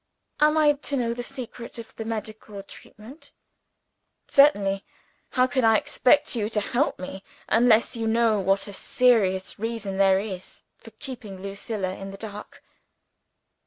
"Am I to know the secret of the medical treatment?" "Certainly! How can I expect you to help me unless you know what a serious reason there is for keeping Lucilla in the dark."